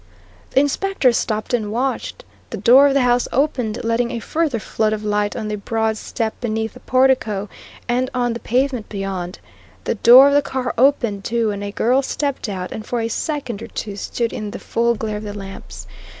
The Inspector stopped and watched. The door of the house opened, letting a further flood of light on the broad step beneath the portico and on the pavement beyond; the door of the car opened too, and a girl stepped out, and for a second or two stood in the full glare of the lamps.